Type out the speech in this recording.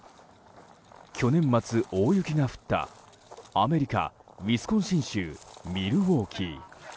去年末、大雪が降ったアメリカ・ウィスコンシン州ミルウォーキー。